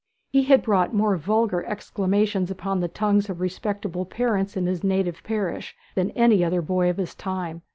He had brought more vulgar exclamations upon the tongues of respectable parents in his native parish than any other boy of his time.